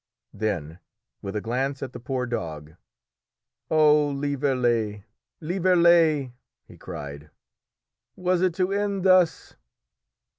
Then, with a glance at the poor dog "Oh! Lieverlé, Lieverlé!" he cried, "was it to end thus?